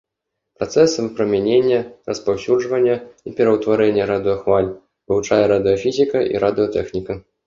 Працэсы выпрамянення, распаўсюджвання і пераўтварэння радыёхваль вывучае радыёфізіка і радыётэхніка.